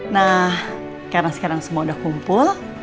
nah sekarang sekarang semua udah kumpul